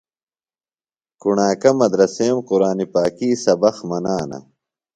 کُݨاکہ مدرسیم قُرآنی پاکی سبق منانہ۔